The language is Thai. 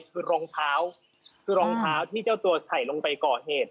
คือรองเท้าคือรองเท้าที่เจ้าตัวใส่ลงไปก่อเหตุ